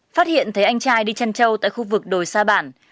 phát hiện thấy anh trai đi chăn trâu tại khu vực đồi sa bản